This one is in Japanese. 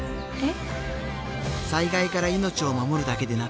えっ？